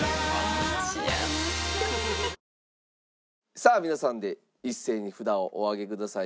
さあ皆さんで一斉に札をお上げください。